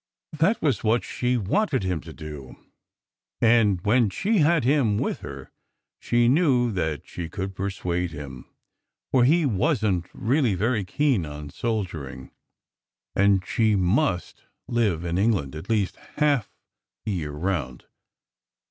That was what she wanted him to do; and when she had him with her, she knew that she could persuade him, for he wasn t really "very keen" on soldiering, and she must live in England, at least half the year round.